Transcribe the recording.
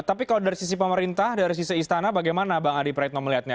tapi kalau dari sisi pemerintah dari sisi istana bagaimana bang adi praetno melihatnya